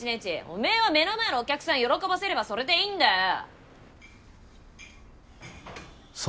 おめぇは目の前のお客さん喜ばせればそれでいいんだよ。